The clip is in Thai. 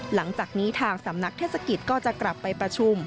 หลังจากนี้ทางสำนักเทศกิจก็จะกลับไปประชุม